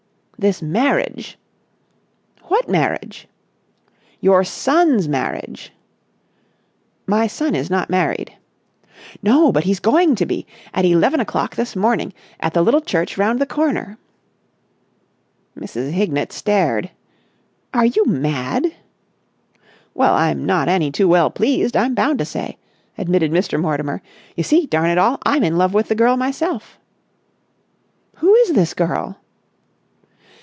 "This marriage." "What marriage?" "Your son's marriage." "My son is not married." "No, but he's going to be. At eleven o'clock this morning at the Little Church Round the Corner!" Mrs. Hignett stared. "Are you mad?" "Well, I'm not any too well pleased, I'm bound to say," admitted Mr. Mortimer. "You see, darn it all, I'm in love with the girl myself!" "Who is this girl?"